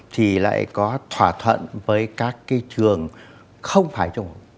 thì lại có thỏa thuận với các cái trường không phải trung học